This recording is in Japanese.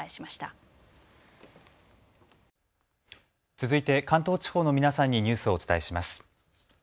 続いて関東地方の皆さんにニュースをお伝えします。